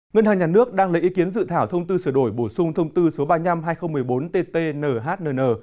ngân hàng nhà nước đang lấy ý kiến dự thảo thông tư sửa đổi bổ sung thông tư số ba trăm năm mươi hai nghìn một mươi bốn ttnhnn